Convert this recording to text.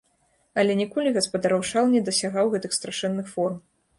Але ніколі гаспадароў шал не дасягаў гэткіх страшэнных форм.